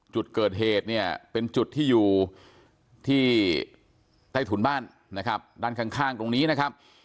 จุดเกิดเหตุเนี่ยเป็นจุดที่อยู่ที่ใต้ถุนบ้านนะครับด้านข้างตรงนี้นะครับ